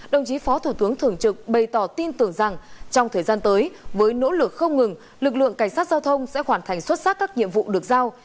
đồng chí phó thủ tướng thường trực bày tỏ tin tưởng rằng trong thời gian tới với nỗ lực không ngừng lực lượng cảnh sát giao thông sẽ hoàn thành xuất sắc các nhiệm vụ được giao